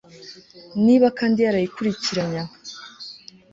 Niba kandi yarayikurikiranye aho